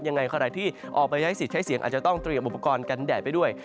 ยังไงใครที่ออกไปใช้สิทธิ์ใช้เสียงอาจจะต้องเตรียมอุปกรณ์กันแดดไปด้วย